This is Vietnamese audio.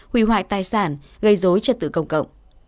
hủy hoại tài sản gây dối trật tự công cộng